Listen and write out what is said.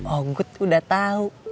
onggut udah tau